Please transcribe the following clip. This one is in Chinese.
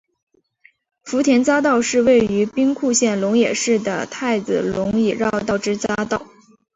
福田匝道是位于兵库县龙野市的太子龙野绕道之匝道。